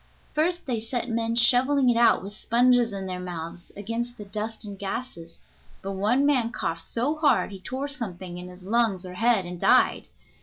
First they set men shoveling it out, with sponges in their mouths, against the dust and gases, but one man coughed so hard he tore something in his lungs or head and died.